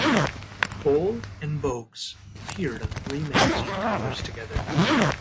Bol and Bogues appeared on three magazine covers together.